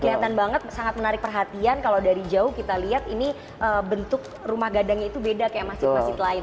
kelihatan banget sangat menarik perhatian kalau dari jauh kita lihat ini bentuk rumah gadangnya itu beda kayak masjid masjid lain